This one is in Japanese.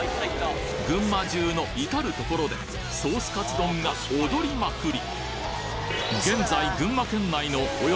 群馬中の至る所でソースカツ丼が踊りまくり！